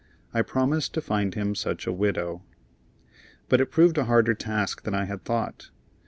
I promised to find him such a widow. But it proved a harder task than I had thought.